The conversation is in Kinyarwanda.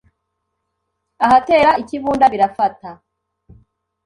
Ahatera ikibunda birafata